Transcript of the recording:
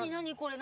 何？